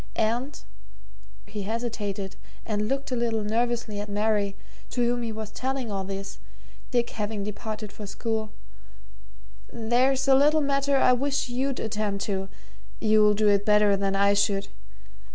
And" here he hesitated and looked a little nervously at Mary, to whom he was telling all this, Dick having departed for school "there's a little matter I wish you'd attend to you'll do it better than I should.